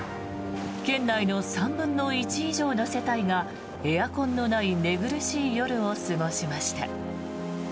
県内の３分の１以上の世帯がエアコンのない寝苦しい夜を過ごしました。